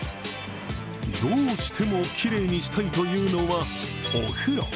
どうしてもきれいにしたいというのはお風呂。